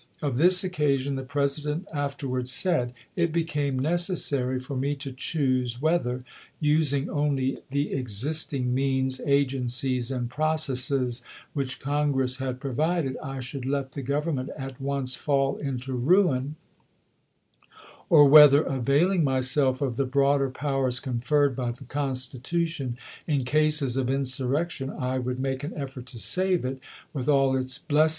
Of this occasion the President afterwards said: " It became necessary for me to choose whether, using only the existing means, agencies, and pro cesses which Congress had provided, I should let the Grovernment at once fall into ruin, or whether, availing myself of the broader powers conferred sifecilu' by the Constitution in cases of insurrection, I Giobe," would make an effort to save it, with all its bless p.